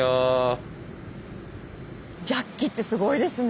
ジャッキってすごいですね！